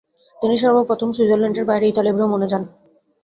তিনি সর্বপ্রথম সুইজারল্যান্ডের বাইরে ইতালি ভ্রমণে যান।